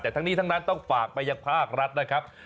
แต่ทั้งนี้ทั้งนั้นต้องฝากไปยังภาครัฐนะครับ